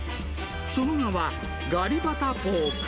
その名は、ガリバタポーク。